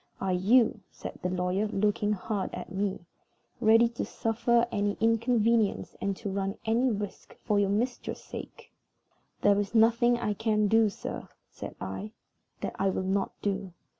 Are you," said the lawyer, looking hard at me, "ready to suffer any inconvenience and to run any risk for your mistress's sake?" "There is nothing I can do, sir," said I, "that I will not do.